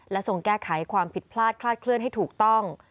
ทรงแก้ไขความผิดพลาดคลาดเคลื่อนให้ถูกต้อง